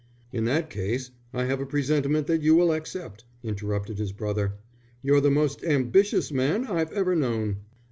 "In that case I have a presentiment that you will accept," interrupted his brother. "You're the most ambitious man I've ever known."